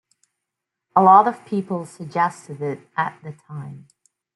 A lot of people suggested it at the time.